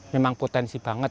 memang potensi banget